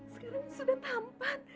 sekarang sudah tampan